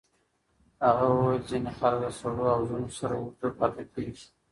هغې وویل ځینې خلک د سړو حوضونو سره اوږد پاتې کېږي.